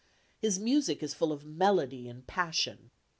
His music is full of melody and passion.